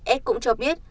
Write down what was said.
ad cũng cho biết